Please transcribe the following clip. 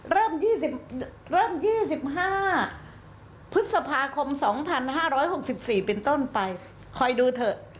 เริ่ม๒๕พฤษภาคม๒๕๖๔เป็นต้นไปคอยดูเถอะ